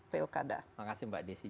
pilkada ya betul makasih mbak desy